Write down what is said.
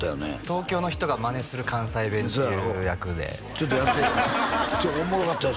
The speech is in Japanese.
東京の人がマネする関西弁っていう役でちょっとやっておもろかったよ